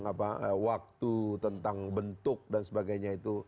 apa waktu tentang bentuk dan sebagainya itu